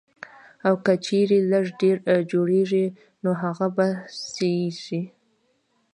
او کۀ چرې لږ ډېر جوړيږي نو هغه به سېزئ